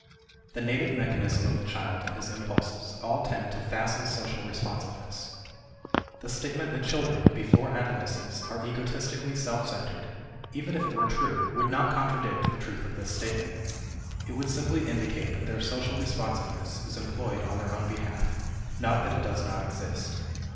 The native mechanism of the child and his impulses all tend to facile social responsiveness. The statement that children, before adolescence, are egotistically self centered, even if it were true, would not contradict the truth of this statement. It would simply indicate that their social responsiveness is employed on their own behalf, not that it does not exist.